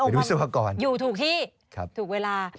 คือมีองค์อยู่ถูกที่ถูกเวลา